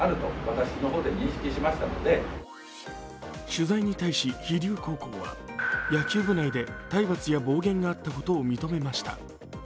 取材に対し飛龍高校は野球部内で体罰や暴言があったことを認めました。